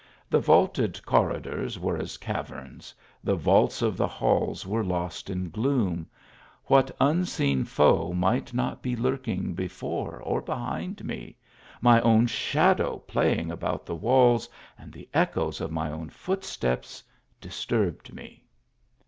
The vaulted corridors were as caverns; the vaults of the halls were lost in gloom ; what un seen foe might not be lurking before or behind me ; my own shadow playing about the walls, and the echoes of my own footsteps disturbed me.